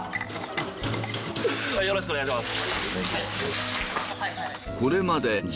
よろしくお願いします。